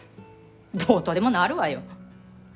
どうとでもなるわよ。